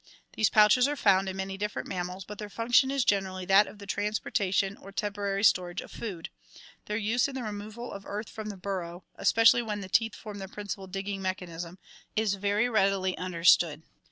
These pouches are found in many different mammals but their function is gener ally that of the transportation or temporary storage of food. Their use in the removal of earth from the burrow, especially when the teeth form the principal digging mechanism, is very readily understood.